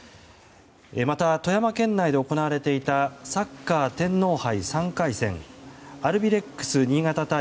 また、富山県内で行われていたサッカー天皇杯３回戦アルビレックス新潟対